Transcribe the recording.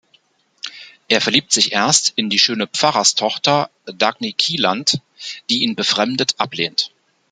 Er verliebt sich erst in die schöne Pfarrerstochter Dagny Kielland, die ihn befremdet ablehnt.